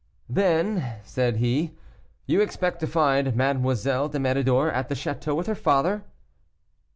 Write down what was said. "Then," said he, "you expect to find Mademoiselle de Méridor at the château with her father?"